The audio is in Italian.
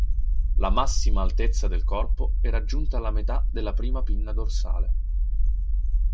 La massima altezza del corpo è raggiunta alla metà della prima pinna dorsale.